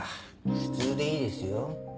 普通でいいですよ。